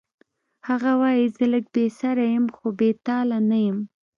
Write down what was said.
هغه وایی زه لږ بې سره یم خو بې تاله نه یم